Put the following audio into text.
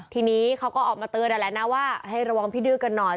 ทีนี้เขาก็ออกมาเตือนนั่นแหละนะว่าให้ระวังพี่ดื้อกันหน่อย